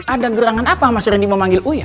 ada gerangan apa mas randy mau manggil uya